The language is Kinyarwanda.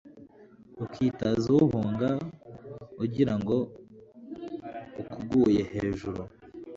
ukitaza uwuhunga ugira ngo ukuguye hejuru